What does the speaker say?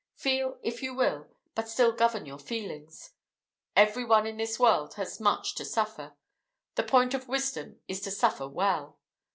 Feel, if you will, but still govern your feelings. Every one in this world has much to suffer; the point of wisdom is to suffer well.